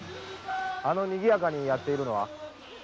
あの賑かにやっているのは？